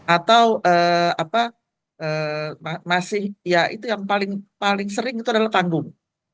atau apa masih ya itu yang paling sering itu adalah panggung